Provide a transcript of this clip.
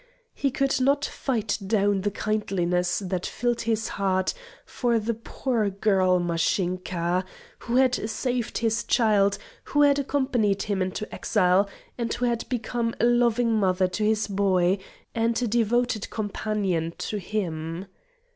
He could not fight down the kindliness that filled his heart for the poor girl, Mashinka, who had saved his child, who had accompanied him into exile, and who had become a loving mother to his boy and a devoted companion to him.